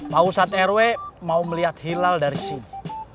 pusat rw mau melihat hilal dari sini